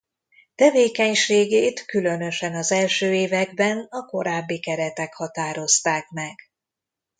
Tevékenységét különösen az első években a korábbi keretek határozták meg.